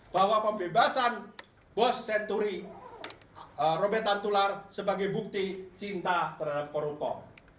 bahwa pembebasan bos senturi robetan tular sebagai bukti cinta terhadap koruptor